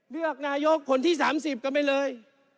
เลือกนายกคนที่๓๐กันไปเลย